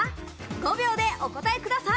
５秒でお答えください。